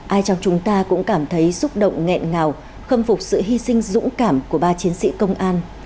ai trong chúng ta cũng cảm thấy xúc động nghẹn ngào khâm phục sự hy sinh dũng cảm của ba chiến sĩ công an